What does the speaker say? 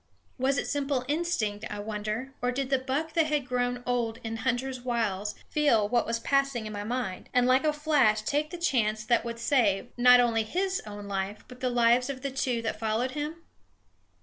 Was it simple instinct, I wonder, or did the buck that had grown old in hunter's wiles feel what was passing in my mind, and like a flash take the chance that would save, not only his own life, but the lives of the two that followed him?